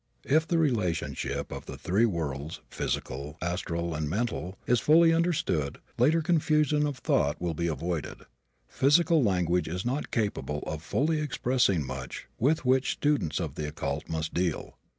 If the relationship of the three worlds physical, astral and mental is fully understood later confusion of thought will be avoided. Physical language is not capable of fully expressing much with which students of the occult must deal.